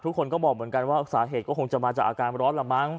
ทุกคนก็บอกเหมือนกันว่าสาเหตุก็คงจะมาจากอาการร้อนละมั้ง